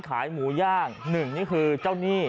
กลับมาพร้อมขอบความ